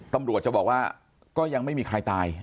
ตำรวจจะบอกว่าก็ยังไม่มีใครตาย